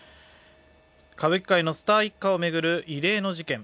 歌舞伎界のスター一家を巡る異例の事件。